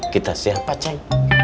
kita siapa cek